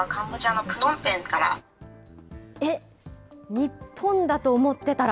日本だと思ってたら。